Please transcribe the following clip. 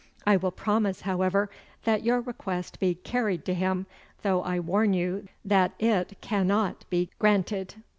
I will promise, however, that your request be carried to him, though I warn you that it cannot be granted.